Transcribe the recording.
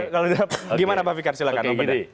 gimana pak fikar silahkan